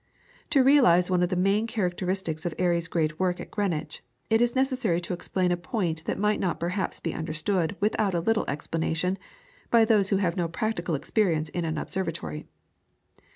To realise one of the main characteristics of Airy's great work at Greenwich, it is necessary to explain a point that might not perhaps be understood without a little explanation by those who have no practical experience in an observatory.